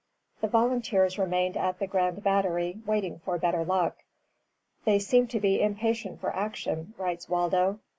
The volunteers remained at the Grand Battery, waiting for better luck. "They seem to be impatient for action," writes Waldo.